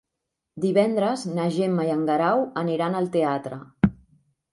Divendres na Gemma i en Guerau aniran al teatre.